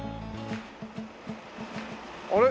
あれ？